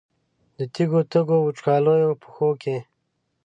د تږو، تږو، وچکالیو پښو کې